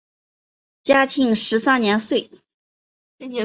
嘉庆十三年卒。